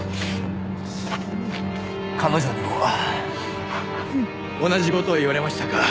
彼女にも同じ事を言われましたか？